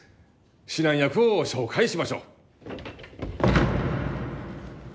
指南役を紹介しましょう。